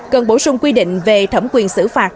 cần bổ sung quy định về thẩm quyền xử phạt